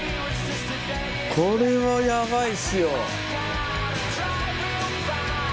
これはヤバいっすよ！